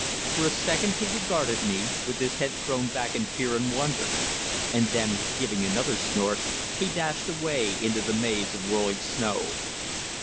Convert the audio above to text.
For a second he regarded me, with his head thrown back in fear and wonder; and then, giving another snort, he dashed away into the maze of whirling snow.